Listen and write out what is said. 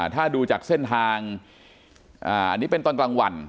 ถ้าดูจากเส้นทางอันนี้เป็นตอนกลางวัน